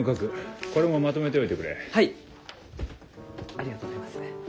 ありがとうございます。